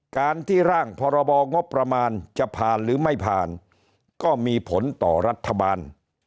การที่ร่างพรบงบประมาณจะผ่านหรือไม่ผ่านก็มีผลต่อรัฐบาล